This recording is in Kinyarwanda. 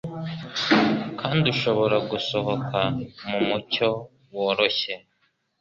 Kandi ushobora gusohoka mu mucyo woroshye